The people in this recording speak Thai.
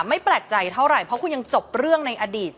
ไม่แปลกใจเท่าไหร่เพราะคุณยังจบเรื่องในอดีต